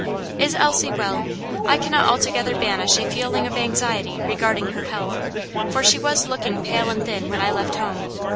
"Is Elsie well? I cannot altogether banish a feeling of anxiety regarding her health, for she was looking pale and thin when I left home.